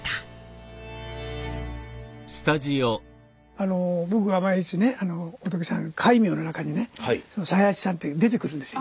あの僕が毎日ね仏さん戒名の中にねその才八さんっていうの出てくるんですよ